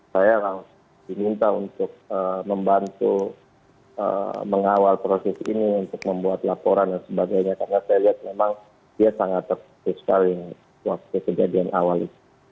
saya langsung diminta untuk membantu mengawal proses ini untuk membuat laporan dan sebagainya karena saya lihat memang dia sangat tertutup sekali waktu kejadian awal itu